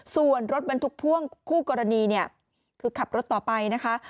ส่วนรถบรรทุกพ่วงคู่กรณีเนี่ยคือขับรถต่อไปนะคะ